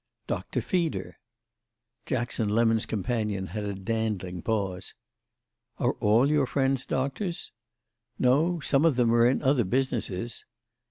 "Doctor Feeder." Jackson Lemon's companion had a dandling pause. "Are all your friends doctors?" "No—some of them are in other businesses."